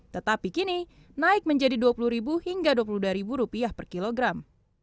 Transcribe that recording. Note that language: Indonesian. tetapi kini naik menjadi rp dua puluh hingga rp dua puluh dua per kilogram